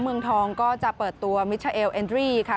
เมืองทองก็จะเปิดตัวมิชชาเอลเอ็นตรีค่ะ